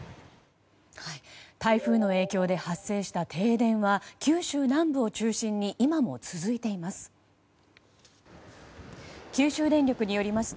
台風の影響で発生した停電は九州南部を中心に今も続いています。